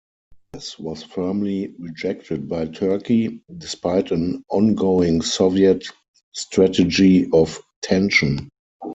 This was firmly rejected by Turkey, despite an ongoing Soviet "strategy of tension".